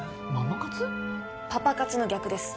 パパ活の逆です。